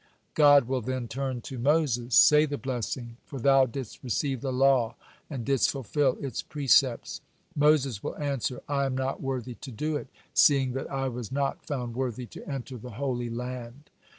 God will then turn to Moses: "Say the blessing, for thou didst receive the law and didst fulfil its precepts." Moses will answer: "I am not worthy to do it, seeing that I was not found worthy to enter the Holy Land."